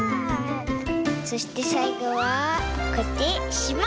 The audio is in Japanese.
そしてさいごはこうやってしまう！